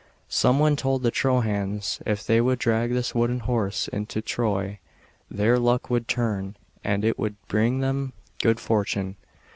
Some one told the Trojans, if they would drag this wooden horse into Troy, their luck would turn, and it would bring them good fortune.